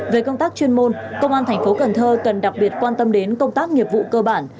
về công tác chuyên môn công an thành phố cần thơ cần đặc biệt quan tâm đến công tác nghiệp vụ cơ bản